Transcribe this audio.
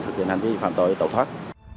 thực hiện năng lý phạm tội tẩu thoát